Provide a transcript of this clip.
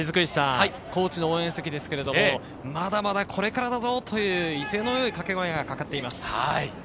高知の応援席ですけれども、「まだまだこれからだぞ！」という威勢のいい掛け声がかかっています。